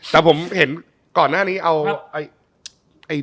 แต่ผมเห็นก่อนหน้านี้เอา